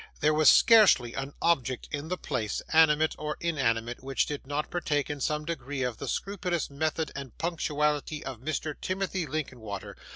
There was scarcely an object in the place, animate or inanimate, which did not partake in some degree of the scrupulous method and punctuality of Mr. Timothy Linkinwater.